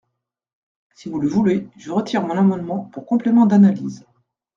Si vous le voulez, je retire mon amendement pour complément d’analyse.